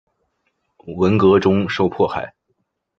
文革中受迫害。